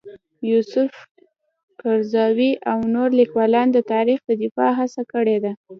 یوسف قرضاوي او نور لیکوالان د تاریخ د دفاع هڅه کړې ده.